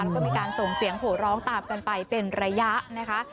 ก็มีการส่งเสียงโหร้องตามกันไปเป็นระยะนะคะ